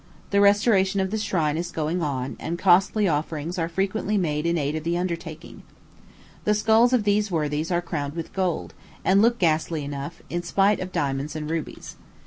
The restoration of the shrine is going on, and costly offerings are frequently made in aid of the undertaking. The skulls of these worthies are crowned with gold, and look ghastly enough, in spite of diamonds and rubies.